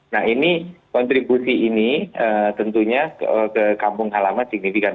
nah ini kontribusi ini tentunya ke kampung halaman signifikan